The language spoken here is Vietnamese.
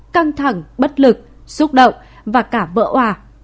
căng thẳng bất lực xúc động và cả vỡ hòa